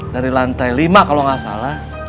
dari lantai lima kalau nggak salah